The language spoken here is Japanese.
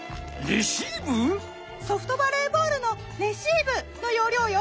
ソフトバレーボールのレシーブのようりょうよ。